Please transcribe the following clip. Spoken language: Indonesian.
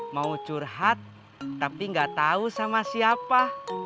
mau curhat tapi gak tau sama siapa